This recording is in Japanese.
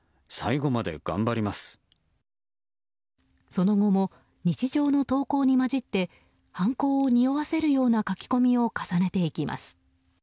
その後も日常の投稿に交じって犯行をにおわせるような書き込みを重ねていきます。